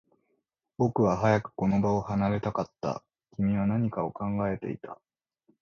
僕は早くこの場を離れたかった。君は何かを考えていた。